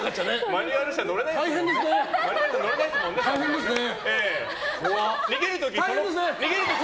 マニュアル車乗れないですもんね。